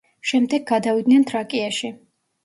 შემდეგ გადავიდნენ თრაკიაში.